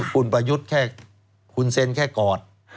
คุณประยุทธ์แค่คุณเซ็นแค่กอด